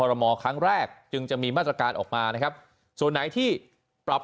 รมอครั้งแรกจึงจะมีมาตรการออกมานะครับส่วนไหนที่ปรับ